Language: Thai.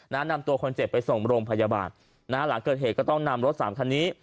นำตัวคนเจ็บไปส่งโรงพยาบาลนะฮะหลังเกิดเหตุก็ต้องนำรถสามคันนี้